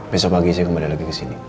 besok pagi saya kembali lagi kesini